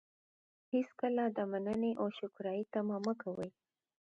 هېڅکله د منني او شکرانې طمعه مه کوئ!